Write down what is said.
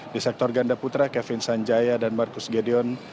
di sektor ganda putra kevin sanjaya dan marcus gideon